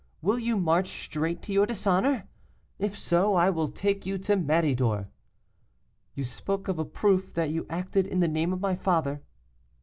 Will you march straight to your dishonor? If so, I will take you to Méridor.' 'You spoke of a proof that you acted in the name of my father.